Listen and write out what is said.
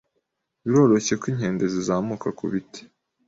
Biroroshye ko inkende zizamuka ku biti.